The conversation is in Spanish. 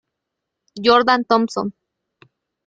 Jordan Thompson